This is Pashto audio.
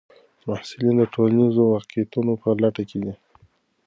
محصلین د ټولنیزو واقعیتونو په لټه کې دي.